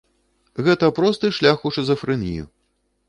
Гэта просты шлях у шызафрэнію.